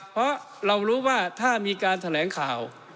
เพราะเรารู้ว่าถ้ามีการแถลงข่าว